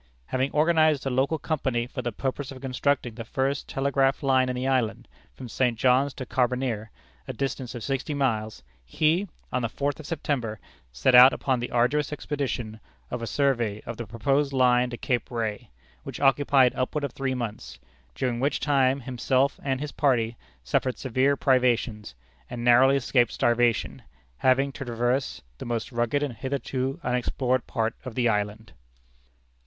Having organized a local company for the purpose of constructing the first telegraph line in the island, from St. John's to Carbonear, a distance of sixty miles, he, on the fourth of September, set out upon the arduous expedition of a survey of the proposed line to Cape Ray, which occupied upward of three months, during which time himself and his party suffered severe privations, and narrowly escaped starvation, having to traverse the most rugged and hitherto unexplored part of the island.